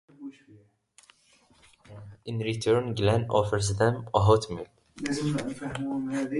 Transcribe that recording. In return, Glenn offers them a hot meal.